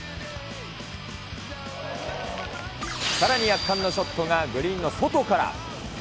さらに圧巻のショットがグリーンの外から。